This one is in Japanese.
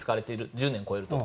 １０年超えるとと。